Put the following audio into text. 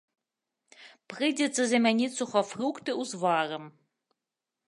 Прыйдзецца замяніць сухафрукты узварам.